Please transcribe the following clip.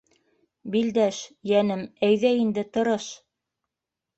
- Билдәш, йәнем, әйҙә инде, тырыш!